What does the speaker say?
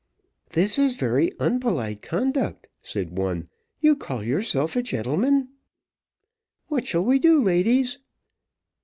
"This is very unpolite conduct," said one; "you call yourself a gentleman?" "What shall we do, ladies?"